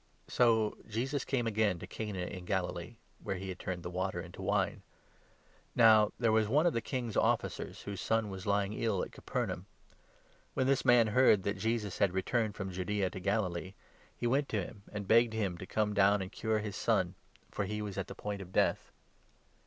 So Jesus came again to Cana in Galilee, where he had turned 46 the water into wine. Now there was one of the King's officers whose son was lying ill at Capernaum. When this 47 man heard that Jesus had returned from Judaea to Galilee, he went to him, and begged him to come down and cure his son ; for he was at the point of death.